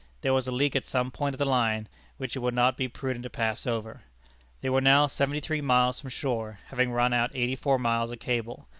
There was a leak at some point of the line which it would not be prudent to pass over. They were now seventy three miles from shore, having run out eighty four miles of cable.